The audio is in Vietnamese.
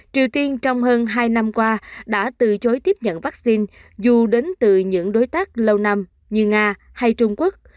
triều tiên trong hơn hai năm qua đã từ chối tiếp nhận vaccine dù đến từ những đối tác lâu năm như nga hay trung quốc